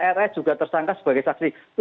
rs juga tersangka sebagai saksi